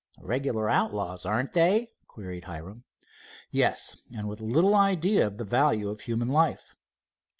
"Regular outlaws, aren't they?" queried Hiram. "Yes, and with little idea of the value of human life."